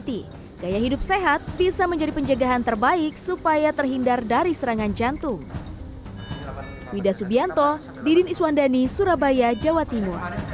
gaya hidup sehat bisa menjadi penjagaan terbaik supaya terhindar dari serangan jantung